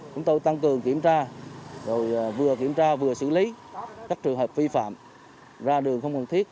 chúng tôi tăng cường kiểm tra vừa kiểm tra vừa xử lý các trường hợp vi phạm ra đường không cần thiết